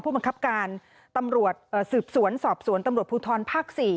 บังคับการตำรวจสืบสวนสอบสวนตำรวจภูทรภาค๔